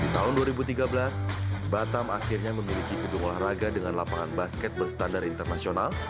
tahun dua ribu tiga belas batam akhirnya memiliki gedung olahraga dengan lapangan basket berstandar internasional